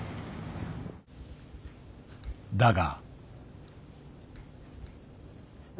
だが。